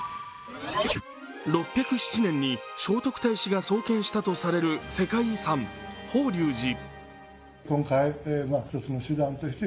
６０７年に聖徳太子が創建したとされる世界遺産・法隆寺。